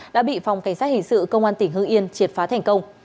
đã bị phòng cảnh sát hình sự công an tỉnh hưng yên triệt phá thành công